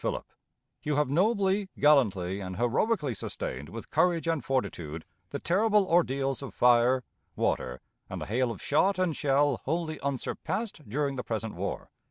PHILIP: You have nobly, gallantly, and heroically sustained with courage and fortitude the terrible ordeals of fire, water, and a hail of shot and shell wholly unsurpassed during the present war.